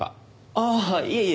ああいえいえ。